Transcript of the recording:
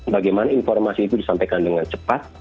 bagaimana informasi itu disampaikan dengan cepat